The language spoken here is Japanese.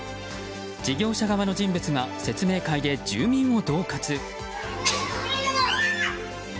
事業者側の人物が説明会で住民を恫喝。